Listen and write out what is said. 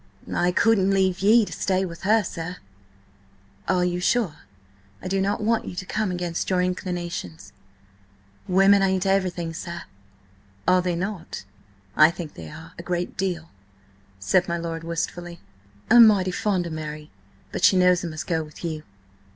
"I couldn't leave ye to stay with her, sir." "Are you sure? I do not want you to come against your inclinations." "Women ain't everything, sir." "Are they not? I think they are ... a great deal," said my lord wistfully. "I'm mighty fond o' Mary, but she knows I must go with you."